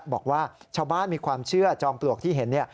บอกว่าชาวบ้านมีความเชื่อจอมปลวกที่เห็นเนี่ย